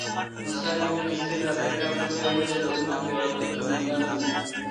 موسی بن نصیر د افریقا پر لویه وچه د امت یو اتل قوماندان وو.